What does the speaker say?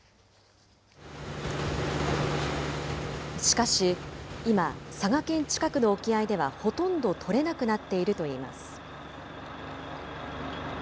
しかし、今、佐賀県近くの沖合ではほとんど取れなくなっているといいます。